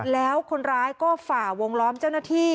แล้วคนร้ายก็ฝ่าวงล้อมเจ้าหน้าที่